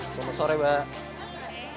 selamat sore mbak